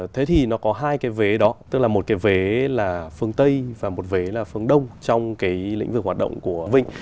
thế thì nó có hai cái vế đó tức là một cái vế là phương tây và một cái vế là phương đông trong cái lĩnh vực hoạt động của vinh